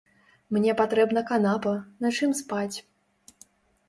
Мне патрэбна канапа, на чым спаць.